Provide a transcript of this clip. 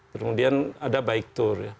kemudian ada bike tour ya